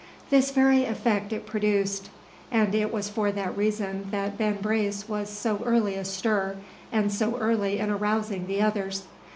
This very effect it produced; and it was for that reason that Ben Brace was so early astir, and so early in arousing the others.